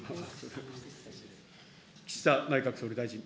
岸田内閣総理大臣。